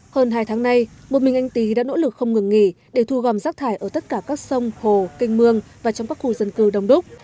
hơn hai tháng nay một mình anh tý đã nỗ lực không ngừng nghỉ để thu gom rác thải ở tất cả các sông hồ canh mương và trong các khu dân cư đông đúc